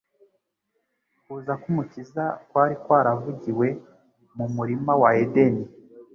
Kuza k'Umukiza kwari kwaravugiwe mu murima wa Edeni.